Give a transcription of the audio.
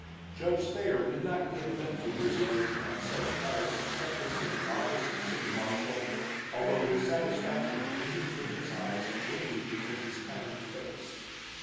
Judge Thayer did not give vent to his elation on Seth Craddock's acceptance of the office of city marshal, although his satisfaction gleamed from his eyes and radiated from his kindly face.